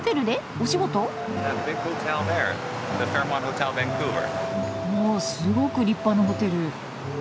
おすごく立派なホテル。